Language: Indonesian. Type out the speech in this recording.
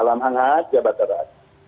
salam anhaj jabat terakhir